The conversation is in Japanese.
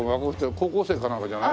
高校生かなんかじゃない？